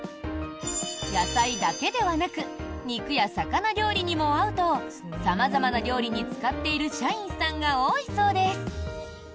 野菜だけではなく肉や魚料理にも合うと様々な料理に使っている社員さんが多いそうです。